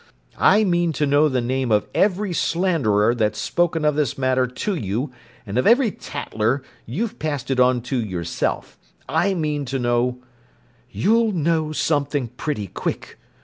I mean to know the name of every slanderer that's spoken of this matter to you and of every tattler you've passed it on to yourself. I mean to know—" "You'll know something pretty quick!"